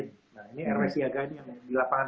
nah ini rw siaga ini yang di lapangan